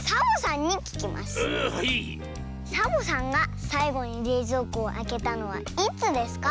サボさんがさいごにれいぞうこをあけたのはいつですか？